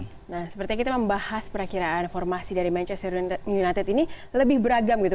nah seperti yang kita membahas perakhiran formasi dari manchester united ini lebih beragam gitu